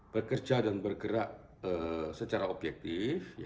bekerja dan bergerak secara objektif